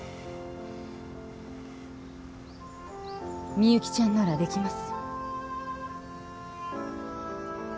みゆきちゃんならできます